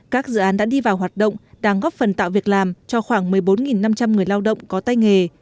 các dự án đã đi vào hoạt động đang góp phần tạo việc làm cho khoảng một mươi bốn năm trăm linh người lao động có tay nghề